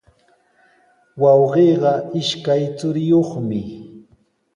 Wawqiiqa ishkay churiyuqmi.